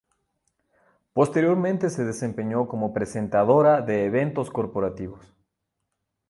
Posteriormente se desempeñó como presentadora de eventos corporativos.